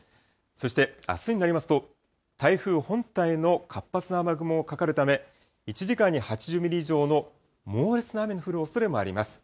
そして、あすになりますと、台風本体の活発な雨雲もかかるため、１時間に８０ミリ以上の猛烈な雨の降るおそれもあります。